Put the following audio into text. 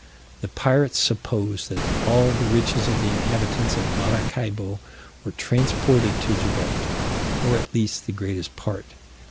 The pirates supposed that all the riches of the inhabitants of Maracaibo were transported to Gibraltar, or at least the greatest part.